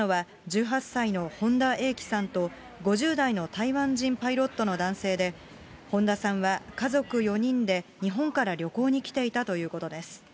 亡くなったのは１８歳の本田英希さんと、５０代の台湾人パイロットの男性で、本田さんは家族４人で日本から旅行に来ていたということです。